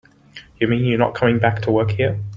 You mean you're not coming back to work here?